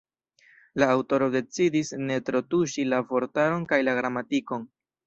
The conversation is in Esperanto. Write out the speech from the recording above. La aŭtoro decidis ne tro tuŝi la vortaron kaj la gramatikon.